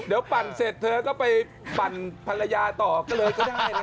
ถ้าปั่นเสร็จเธอไปปั่นภรรยาต่อผลิบรอเนาระ